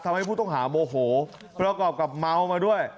ทำให้ผู้ต้องหาโมโหประกอบกับเมามาด้วย